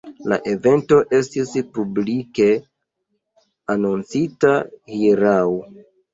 La evento estis publike anoncita hieraŭ.